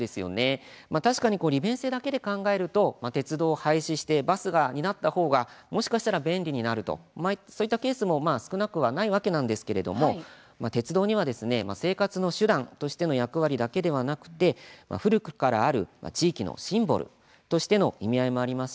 確かに利便性だけで考えると鉄道を廃止してバスが担った方が、もしかしたら便利になるというそういったケースも少なくはないわけなんですが鉄道には生活の手段としての役割だけでなくて古くからある地域のシンボルとしての意味合いもあります